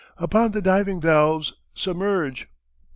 _] "Open the diving valves! Submerge!"